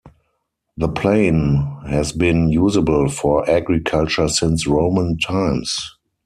The plain has been usable for agriculture since Roman times.